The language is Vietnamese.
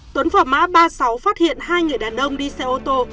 tuấn phỏ má ba mươi sáu phát hiện hai người đàn ông đi xe ô tô